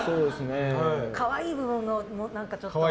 可愛い部分を何かちょっと。